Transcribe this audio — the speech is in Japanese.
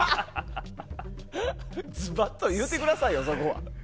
ずばっと言うてくださいよそこは。